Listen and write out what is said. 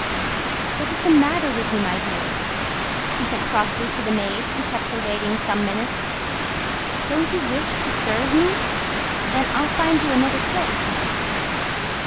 "What is the matter with you, my dear?" she said crossly to the maid who kept her waiting some minutes. "Don't you wish to serve me? Then I'll find you another place."